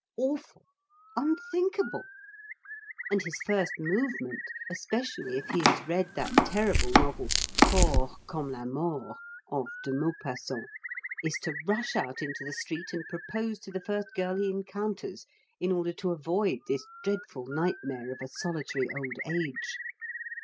Awful! Unthinkable! And his first movement, especially if he has read that terrible novel, "Fort comme la Mort," of De Maupassant, is to rush out into the street and propose to the first girl he encounters, in order to avoid this dreadful nightmare of a solitary old age.